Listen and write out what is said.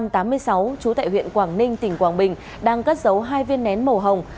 trú tại huyện quảng ninh tỉnh quảng bình đang cất giấu hai viên nén màu hồng